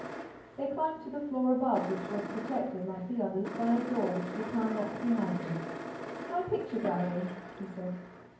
They climbed to the floor above, which was protected, like the others, by a door which Lupin locked behind him. "My picture gallery," he said.